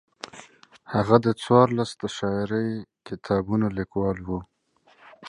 He was the author of fourteen books of poetry.